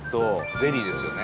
ゼリーですよね？